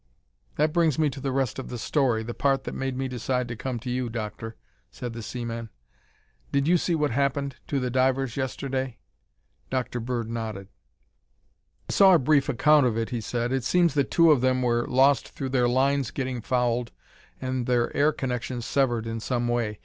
"That brings me to the rest of the story, the part that made me decide to come to you, Doctor," said the seaman. "Did you see what happened to the divers yesterday?" Dr. Bird nodded. "I saw a brief account of it," he said. "It seems that two of them were lost through their lines getting fouled and their air connections severed in some way.